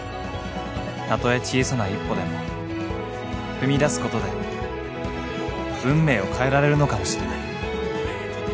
［たとえ小さな一歩でも踏み出すことで運命を変えられるのかもしれない］